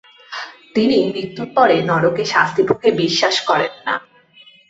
তিনি মৃত্যুর পরে নরকে শাস্তিভোগে বিশ্বাস করেন না।